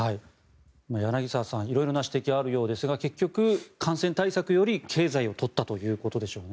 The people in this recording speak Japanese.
柳澤さん色々な指摘があるようですが結局、感染対策より経済を取ったということでしょうね。